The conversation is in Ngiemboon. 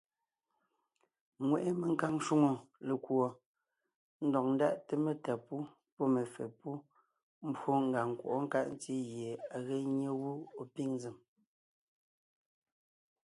Ŋweʼe menkàŋ shwòŋo lekùɔ ndɔg ndáʼte metá pú pɔ́ mefɛ́ pú mbwó ngàŋ nkwɔʼɔ́ nkáʼ ntí gie à ge nyé gú ɔ̀ pîŋ nzèm.